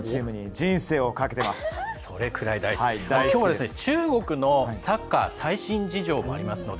きょうは、中国のサッカー最新事情もありますので。